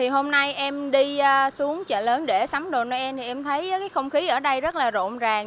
hôm nay em đi xuống chợ lớn để sắm đồ noel thì em thấy không khí ở đây rất là rộn ràng